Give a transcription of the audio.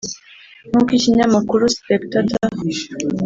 nk’uko ikinyamakuru spectator